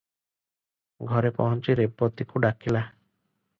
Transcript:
ଘରେ ପହଞ୍ଚି ରେବତୀକୁ ଡାକିଲା ।